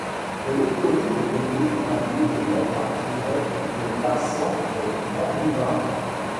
Des loteries pour gagner des tableaux de maîtres attiraient les passants des grands boulevards.